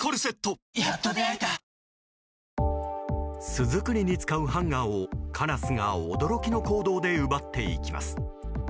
巣作りに使うハンガーをカラスが驚きの行動で奪っていきます。